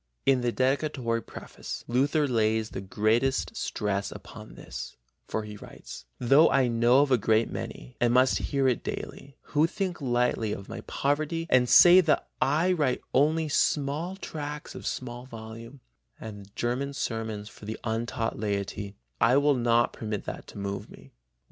In the dedicatory preface Luther lays the greatest stress upon this, for he writes: "Though I know of a great many, and must hear it daily, who think lightly of my poverty and say that I write only small Sexternlein (tracts of small volume) and German sermons for the untaught laity, I will not permit that to move me.